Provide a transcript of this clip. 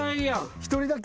一人だけ？